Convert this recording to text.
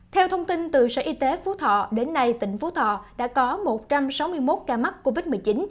theo thông tin từ sở y tế phú thọ đến nay tỉnh phú thọ đã có một trăm sáu mươi một ca mắc covid một mươi chín